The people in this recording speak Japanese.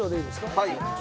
はい。